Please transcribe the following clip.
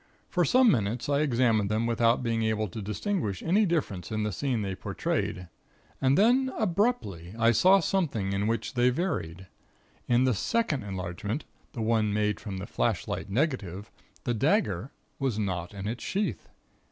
For some minutes I examined them without being able to distinguish any difference in the scene they portrayed, and then abruptly, I saw something in which they varied. In the second enlargement the one made from the flashlight negative the dagger was not in its sheath.